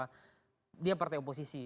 kita memilih sebagai partai oposisi